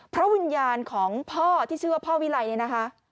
เพราะวิญญาณของพ่อที่เชื่อพ่อวิไลน์นะคะ